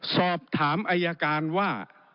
สอบถามอายการว่า